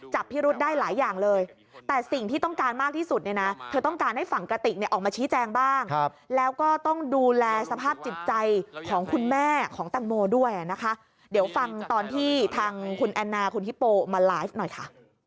พิรุธได้หลายอย่างเลยแต่สิ่งที่ต้องการมากที่สุดเนี่ยนะเธอต้องการให้ฝั่งกระติกเนี่ยออกมาชี้แจงบ้างแล้วก็ต้องดูแลสภาพจิตใจของคุณแม่ของแตงโมด้วยนะคะเดี๋ยวฟังตอนที่ทางคุณแอนนาคุณฮิโปมาไลฟ์หน่อยค่ะ